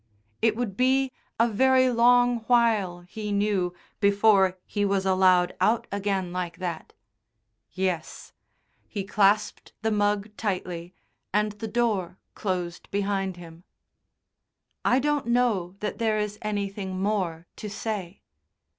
It would be a very long while, he knew, before he was allowed out again like that. Yes. He clasped the mug tightly, and the door closed behind him. I don't know that there is anything more to say.